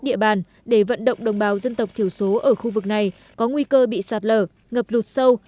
địa bàn để vận động đồng bào dân tộc thiểu số ở khu vực này có nguy cơ bị sạt lở ngập lụt sâu